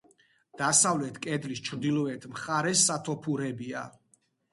დასავლეთ კედლის ჩრდილოეთ მხარეს სათოფურებია.